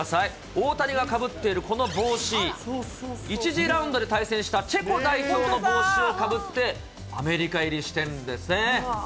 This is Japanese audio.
大谷がかぶっているこの帽子、１次ラウンドで対戦したチェコ代表の帽子をかぶってアメリカ入りしてるんですね。